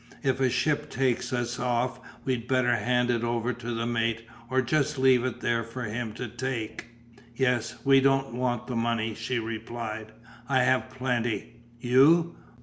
If a ship takes us off we'd better hand it over to the mate or just leave it there for him to take." "Yes, we don't want the money," she replied, "I have plenty." "You!